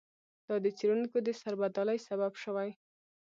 دا د څېړونکو د سربدالۍ سبب شوی.